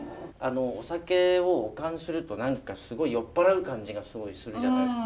お酒をお燗すると何かすごい酔っ払う感じがすごいするじゃないですか。